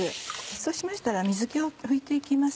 そうしましたら水気を拭いて行きます。